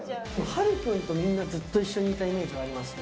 はるくんとみんなずっと一緒にいたイメージありますね。